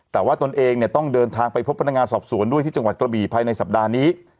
แต่ว่าตนเองเนี่ยต้องเดินทางไปพบพนักงานสอบสวนด้วยที่จังหวัดกระบี่ภายในสัปดาห์นี้